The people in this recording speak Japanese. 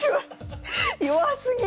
弱すぎる！